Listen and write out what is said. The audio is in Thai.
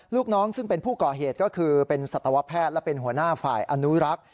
ลูกน้องซึ่งเป็นผู้ก่อเหตุก็คือเป็นสัตวแพทย์และเป็นหัวหน้าฝ่ายอนุรักษ์